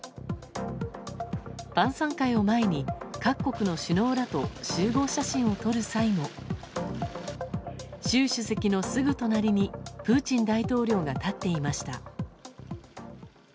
晩さん会を前に各国の首脳らと集合写真を撮る際も習主席のすぐ隣にプーチン大統領が立っていました。